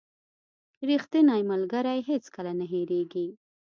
• ریښتینی ملګری هیڅکله نه هېریږي.